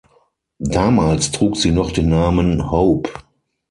Damals trug sie noch den Namen Hope.